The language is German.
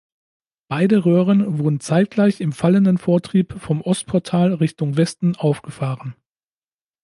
Beide Röhren wurden zeitgleich im fallenden Vortrieb vom Ostportal Richtung Westen aufgefahren.